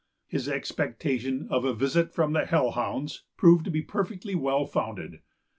His expectation of a "visit from the hell hounds" proved to be perfectly well founded.